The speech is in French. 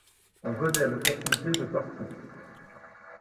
On venait le consulter de partout.